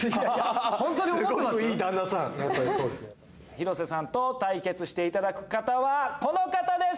廣瀬さんと対決していただく方はこの方です。